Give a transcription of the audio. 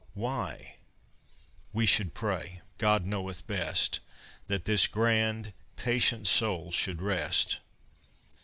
Why, we should pray, God knoweth best, That this grand, patient soul should rest.